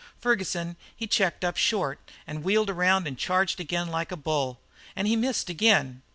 Ferguson, he checked up short and wheeled around and charged again like a bull. And he missed again.